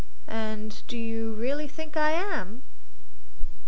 "And do you really think I am?"